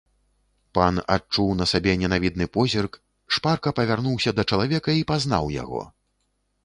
Пан адчуў на сабе ненавідны позірк, шпарка павярнуўся да чалавека і пазнаў яго.